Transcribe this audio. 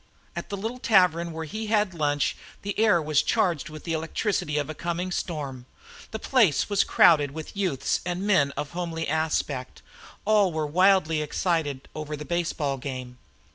At the little tavern where he had lunch the air was charged with the electricity of a coming storm. The place was crowded with youths and men of homely aspect; all were wildly excited over the baseball game.